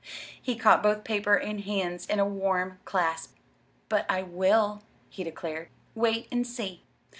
He caught both paper and hands in a warm clasp. "But I will," he declared. "Wait and see!"